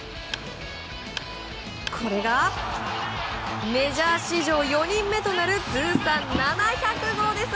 これがメジャー史上４人目となる通算７００号です。